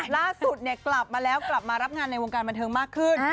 ล่าสุดกลับมาแล้วกลับมารับงานในวงการบันเทิงมากขึ้น